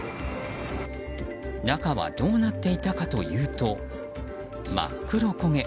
中は、どうなっていたかというと真っ黒焦げ。